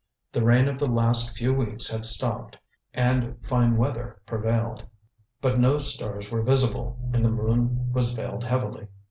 The rain of the last few weeks had stopped, and fine weather prevailed. But no stars were visible, and the moon was veiled heavily.